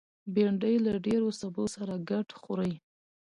بېنډۍ له ډېرو سبو سره ګډ خوري